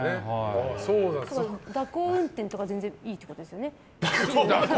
蛇行運転とか全然いいってことですよね？